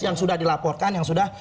yang sudah dilaporkan yang sudah